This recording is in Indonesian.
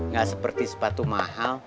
gak seperti sepatu mahal